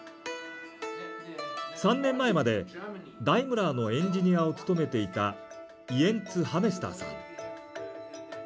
３年前までダイムラーのエンジニアを務めていたイエンツ・ハメスターさん。